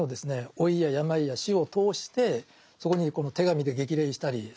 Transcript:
老いや病や死を通してそこにこの手紙で激励したりする。